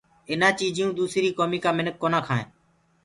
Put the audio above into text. ايٚنآ چيٚجيئونٚ دوسريٚ ڪوميٚ ڪا مِنک ڪونآ کآئينٚ۔